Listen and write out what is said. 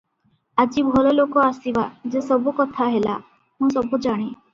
ଆଜି ଭଲଲୋକ ଆସିବା- ଯେ ସବୁ କଥା ହେଲା, ମୁଁ ସବୁ ଜାଣେ ।